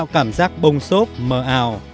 cảm giác bông xốp mờ ảo